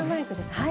はい。